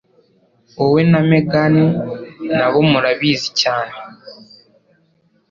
Wowe na Megan nabo murabizi cyane.